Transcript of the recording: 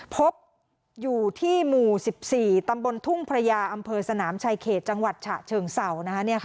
พบอยู่ที่หมู่๑๔ตำบลทุ่งพระยาอำเภอสนามชายเขตจังหวัดฉะเชิงเศร้า